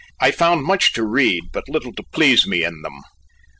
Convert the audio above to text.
I found much to read, but little to please me in them.